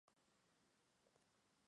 Es abogada y política mexicana.